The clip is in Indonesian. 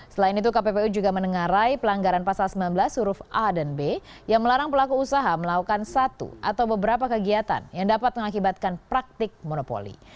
selain itu kppu juga menengarai pelanggaran pasal sembilan belas huruf a dan b yang melarang pelaku usaha melakukan satu atau beberapa kegiatan yang dapat mengakibatkan praktik monopoli